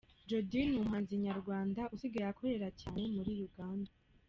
Jody: Ni umuhanzi nyarwanda usigaye akorera cyane muri Uganda.